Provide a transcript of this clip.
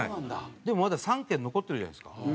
でもまだ３県残ってるじゃないですか。